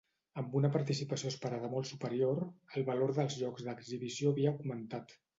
Amb una participació esperada molt superior, el valor dels llocs d'exhibició havia augmentat.